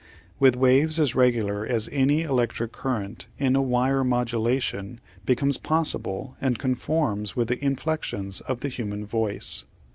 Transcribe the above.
Applied Science 839 With waves as regular as any electric current in a wire modulation becomes possible and conforms with the inflections of the human voice.